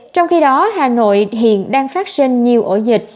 trong khi đó hà nội hiện đang phát sinh nhiều ổ dịch